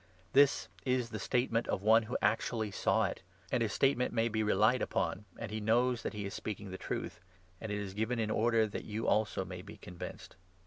This is the statement of one who actually saw it — 35 and his statement may be relied upon, and he knows that he is speaking the truth — and it is given in order that you also may be convinced.